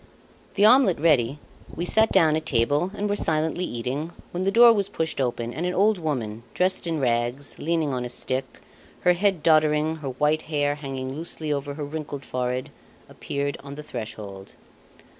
The omelette ready, we sat down at table and were silently eating, when the door was pushed open and an old woman, dressed in rags, leaning on a stick, her head doddering, her white hair hanging loosely over her wrinkled forehead, appeared on the threshold.